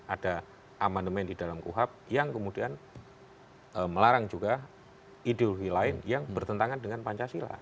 ada amandemen di dalam kuhap yang kemudian melarang juga ideologi lain yang bertentangan dengan pancasila